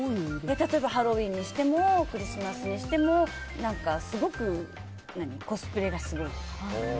例えばハロウィーンにしてもクリスマスにしてもすごくコスプレがすごいとか。